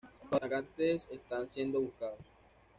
Los atacantes están siendo buscados.